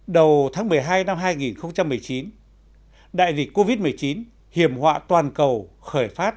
đầu tháng một mươi hai năm hai nghìn một mươi chín đại dịch covid một mươi chín hiểm họa toàn cầu khởi phát